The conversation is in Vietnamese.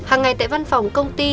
hàng ngày tại văn phòng công ty